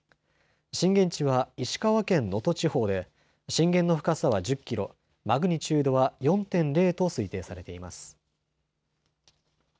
震源地は石川県能登地方で震源の深さは１０キロ、マグニチュードは４．０と推定されています。